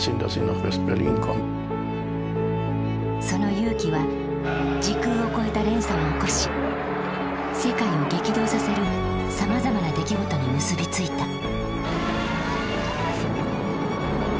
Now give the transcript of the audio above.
その勇気は時空を超えた連鎖を起こし世界を激動させるさまざまな出来事に結び付いた。